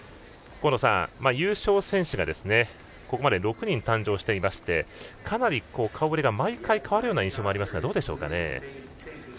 河野さん、優勝選手がここまで６人誕生していましてかなり顔ぶれが毎回変わる印象がありますがどうでしょうか。